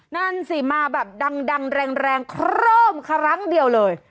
นั่นสิมาแบบดังแรงโคร่มครั้งเดียวเลย